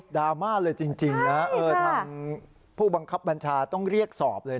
ดราม่าเลยจริงจริงนะใช่ค่ะเออทำผู้บังคับบัญชาต้องเรียกสอบเลย